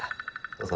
どうぞ。